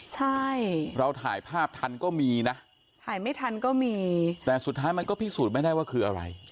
ใช่เราถ่ายภาพทันก็มีนะถ่ายไม่ทันก็มีแต่สุดท้ายมันก็พิสูจน์ไม่ได้ว่าคืออะไร